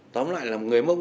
tóm lại là người mông